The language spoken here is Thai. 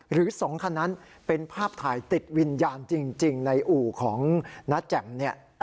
หรือ๒คันนั้นเป็นภาพถ่ายติดวิญญาณจริงในอู่ของน้าแจ่มเนี่ย